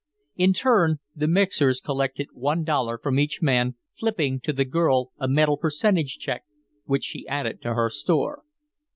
In turn, the mixers collected one dollar from each man, flipping to the girl a metal percentage check which she added to her store.